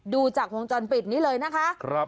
ดูจากวงจอนปิดนี้เลยนะคะครับ